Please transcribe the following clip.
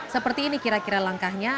seperti ini kira kira langkahnya